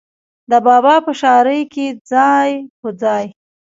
د بابا پۀ شاعرۍ کښې ځای پۀ ځای